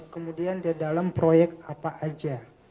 kemudian di dalam proyek apa saja